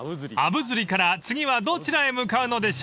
［鐙摺から次はどちらへ向かうのでしょう］